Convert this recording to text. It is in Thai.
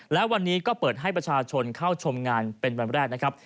และวันนี้ก็เปิดให้ประชาชนเข้าชมงานเป็นวันแรกนะครับ